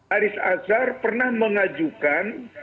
aris azhar pernah mengajukan